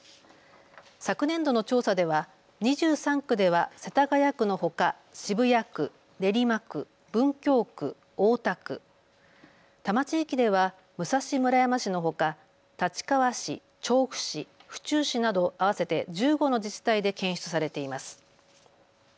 昨年度の調査では２３区では世田谷区のほか渋谷区、練馬区、文京区、大田区、多摩地域では武蔵村山市のほか立川市、調布市、府中市など合わせて１５の自治体で検出されています。